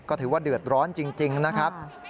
ก็ถือว่าเดือดร้อนจริงนะครับ